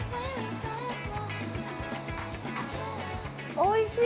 おいしい！